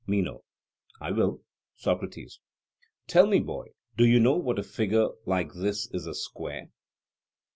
MENO: I will. SOCRATES: Tell me, boy, do you know that a figure like this is a square?